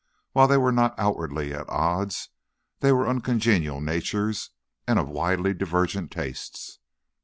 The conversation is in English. While they were not outwardly at odds, they were uncongenial natures, and of widely divergent tastes.